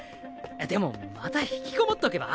でもまた引きこもっとけば？